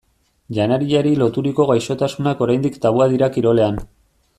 Janariari loturiko gaixotasunak oraindik tabua dira kirolean.